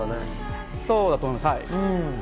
そうだと思います。